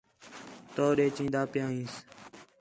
تَؤ ݙے چِین٘دا پِیا ہینس